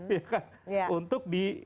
iya kan untuk